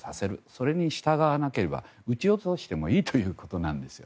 それに従わなければ撃ち落としてもいいということなんです。